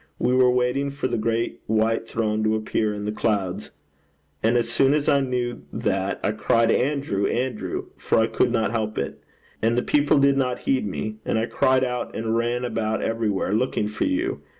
We were waiting for the great white throne to appear in the clouds. And as soon as I knew that, I cried, "Andrew, Andrew!" for I could not help it. And the people did not heed me; and I cried out and ran about everywhere, looking for you.